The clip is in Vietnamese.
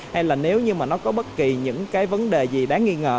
hay là nếu như mà nó có bất kỳ những cái vấn đề gì đáng nghi ngờ